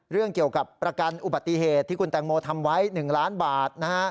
เรื่องเกี่ยวกับประกันอุบัติเหตุที่คุณแตงโมทำไว้๑ล้านบาท